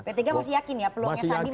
ptk masih yakin ya peluangnya sandi masih ada